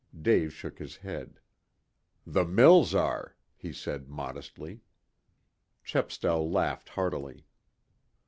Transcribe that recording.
Dave shook his head. "The mills are," he said modestly. Chepstow laughed heartily.